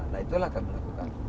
nah itulah kami mencoba